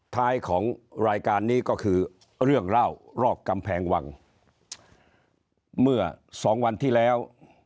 ท้ายของรายการนี้ก็คือเรื่องเล่ารอบกำแพงวังเมื่อสองวันที่แล้ว